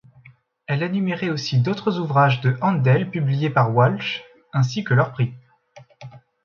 Elle énumérait aussi d'autres ouvrages de Haendel publiés par Walsh, ainsi que leur prix.